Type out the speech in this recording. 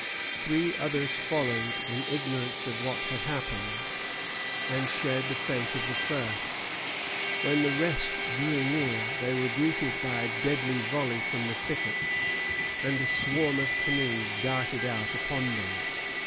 Three others followed, in ignorance of what had happened, and shared the fate of the first. When the rest drew near, they were greeted by a deadly volley from the thickets, and a swarm of canoes darted out upon them.